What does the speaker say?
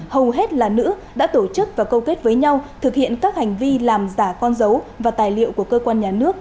hầu hết là nữ đã tổ chức và câu kết với nhau thực hiện các hành vi làm giả con dấu và tài liệu của cơ quan nhà nước